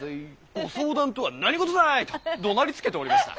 ご相談とは何事だ」とどなりつけておりました。